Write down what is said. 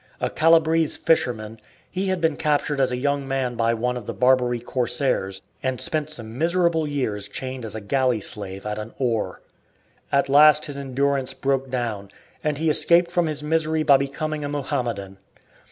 A Calabrese fisherman, he had been captured as a young man by one of the Barbary corsairs, and spent some miserable years chained as a galley slave at an oar. At last his endurance broke down, and he escaped from his misery by becoming a Mohammedan.